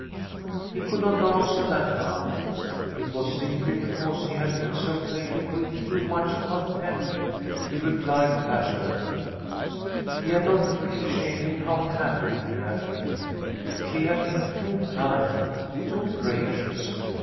He could not answer that now. It was simply because he had been surfeited with too much content, he replied, passionately. He had not appreciated how happy he had been. She had been too kind, too gracious.